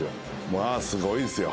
まあすごいですよ